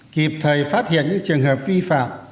kịp thời phát hiện những trường hợp vi phạm